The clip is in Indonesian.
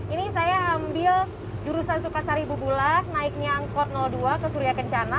ini saya ambil jurusan sukasari bubulak naiknya angkot dua ke surya kencana